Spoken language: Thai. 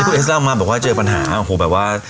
แต่คุณเอสลามานว่าเจอปัญหาโอ้โหแบบว่า